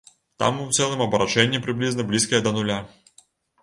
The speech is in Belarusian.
Там у цэлым абарачэнне прыблізна блізкае да нуля.